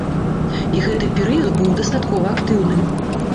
І гэты перыяд быў дастаткова актыўным.